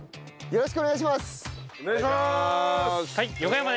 よろしくお願いします！